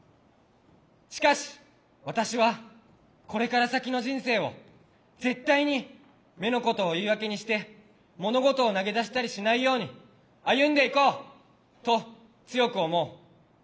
しかし私はこれから先の人生を絶対に目のことを言い訳にして物事を投げ出したりしないように歩んでいこうと強く思う。